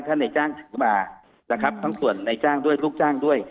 ในจ้างถือมานะครับทั้งส่วนในจ้างด้วยลูกจ้างด้วย